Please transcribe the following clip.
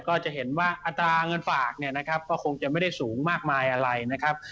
ก็จะเห็นว่าอัตราเงินฝากเนี่ยนะครับก็คงจะไม่ได้สูงมากมายอะไรนะครับ